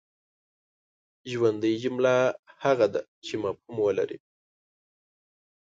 ژوندۍ جمله هغه ده چي مفهوم ولري.